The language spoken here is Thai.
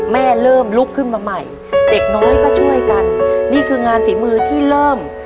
เริ่มลุกขึ้นมาใหม่เด็กน้อยก็ช่วยกันนี่คืองานฝีมือที่เริ่ม